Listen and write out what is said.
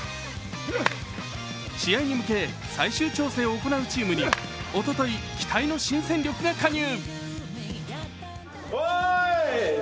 試合に向け、最終調整を行うチームにおととい、期待の新戦力が加入。